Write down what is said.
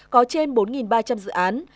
có trên bốn ba trăm linh dự án